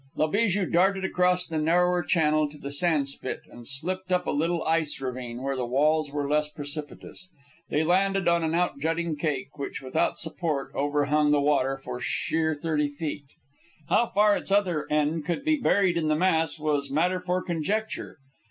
La Bijou darted across the narrower channel to the sand spit and slipped up a little ice ravine, where the walls were less precipitous. They landed on an out jutting cake, which, without support, overhung the water for sheer thirty feet. How far its other end could be buried in the mass was matter for conjecture.